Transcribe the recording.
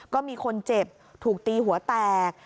ก็มีคนเจ็บถูกตีหัวแตก